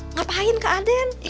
ngapain kak aden